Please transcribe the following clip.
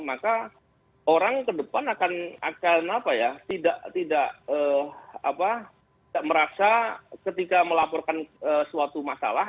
maka orang ke depan akan tidak merasa ketika melaporkan suatu masalah